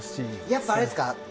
やっぱり、あれですか。